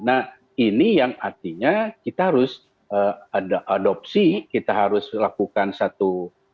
nah ini yang artinya kita harus ada adopsi kita harus lakukan satu